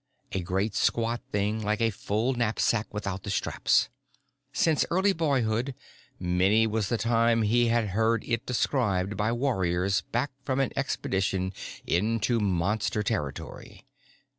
A great, squat thing like a full knapsack without the straps. Since early boyhood, many was the time he had heard it described by warriors back from an expedition into Monster territory.